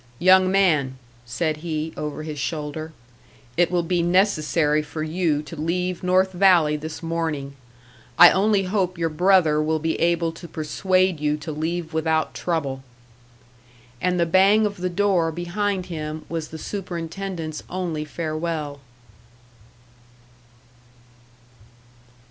"Young man," said he, over his shoulder, "it will be necessary for you to leave North Valley this morning. I only hope your brother will be able to persuade you to leave without trouble." And the bang of the door behind him was the superintendent's only farewell.